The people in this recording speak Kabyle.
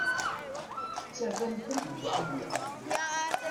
Tettarram-ten deg uɛewwiq.